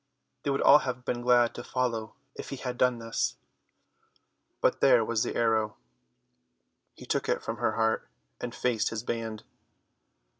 They would all have been glad to follow if he had done this. But there was the arrow. He took it from her heart and faced his band.